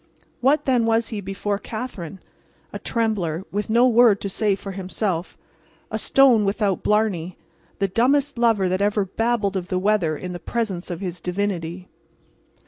What then was he before Katherine? A trembler, with no word to say for himself, a stone without blarney, the dumbest lover that ever babbled of the weather in the presence of his divinity.